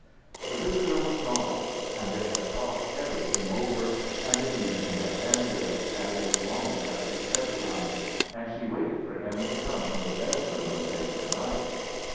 The visitor was gone, and they had talked everything over, and the evening had ended, and it was long past his bedtime, and she waited for him to come from the bedroom and say good night.